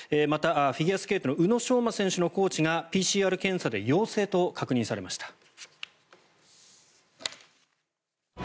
また、フィギュアスケートの宇野昌磨選手のコーチがＰＣＲ検査で陽性と確認されました。